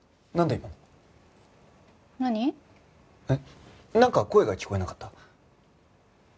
えっなんか声が聞こえなかった？